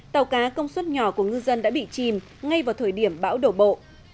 tàu cá công suất nhỏ của ngư dân đã bị chìm ngay vào thời điểm bão đổ bộ